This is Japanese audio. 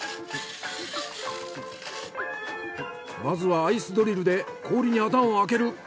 まずはアイスドリルで氷に穴を開ける。